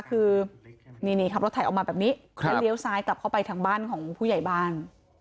คือนี่ขับรถไถออกมาแบบนี้แล้วเลี้ยวซ้ายกลับเข้าไปทางบ้านของผู้ใหญ่บ้าน